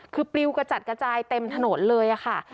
คือปลิวกระจัดกระจายเต็มถนนเลยค่ะ